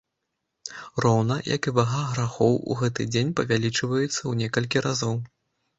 Роўна, як і вага грахоў у гэты дзень павялічваецца ў некалькі разоў.